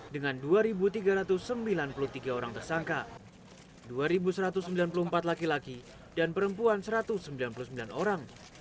dengan dua tiga ratus sembilan puluh tiga orang tersangka dua satu ratus sembilan puluh empat laki laki dan perempuan satu ratus sembilan puluh sembilan orang